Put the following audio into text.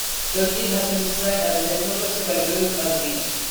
Turkey has been described as an ethnocracy by Bilge Azgin.